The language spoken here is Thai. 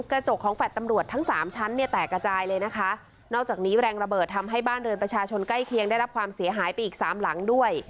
กระจกของแฟลต์ตำรวจทั้งสามชั้นเนี่ยแตกกระจายเลยนะคะนอกจากนี้แรงระเบิดทำให้บ้านเรือนประชาชนใกล้เคียงได้รับความเสียหายไปอีกสามหลังด้วย